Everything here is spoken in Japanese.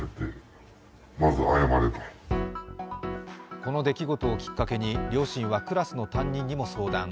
この出来事をきっかけに両親はクラスの担任にも相談。